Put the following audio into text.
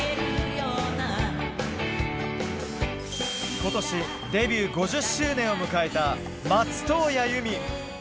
ことしデビュー５０周年を迎えた松任谷由実。